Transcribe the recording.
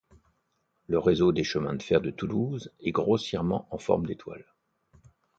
Le réseau des chemins de fer de Toulouse est grossièrement en forme d'étoile.